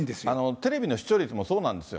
テレビの視聴率もそうなんですよ。